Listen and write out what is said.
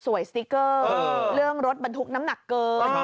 สติ๊กเกอร์เรื่องรถบรรทุกน้ำหนักเกิน